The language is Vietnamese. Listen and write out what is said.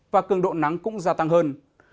và cường độ nắng cũng gia tăng hơn